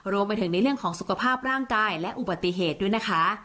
รวมไปถึงในเรื่องของสุขภาพร่างกายและอุบัติเหตุด้วยนะคะ